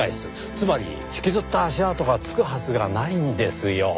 つまり引きずった足跡がつくはずがないんですよ。